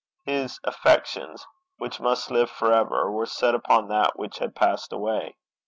His affections, which must live for ever, were set upon that which had passed away.